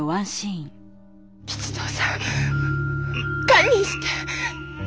吉蔵さん堪忍して。